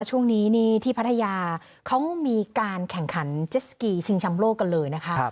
ช่วงนี้นี่ที่พัทยาเขามีการแข่งขันเจสสกีชิงชำโลกกันเลยนะคะ